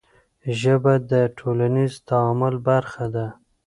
ژبه د ټولنیز تعامل برخه ده.